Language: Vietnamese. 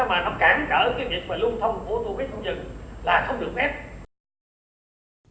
mà nó cản cỡ cái việc và lung thông của thu phí không dừng là không được phép